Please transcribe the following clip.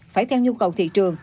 phải theo nhu cầu thị trường